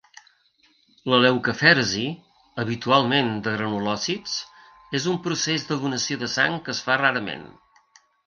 La leucafèresi, habitualment de granulòcits, és un procés de donació de sang que es fa rarament.